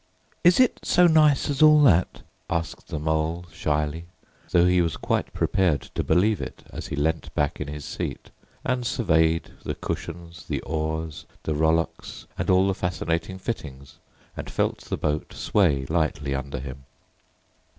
"Is it so nice as all that?" asked the Mole shyly, though he was quite prepared to believe it as he leant back in his seat and surveyed the cushions, the oars, the rowlocks, and all the fascinating fittings, and felt the boat sway lightly under him.